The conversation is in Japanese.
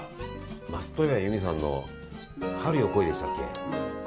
松任谷由実さんの「春よ、来い」でしたっけ。